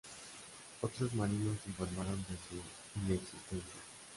Otros marinos informaron de su inexistencia.